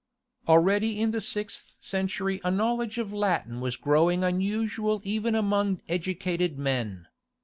Already in the sixth century a knowledge of Latin was growing unusual even among educated men.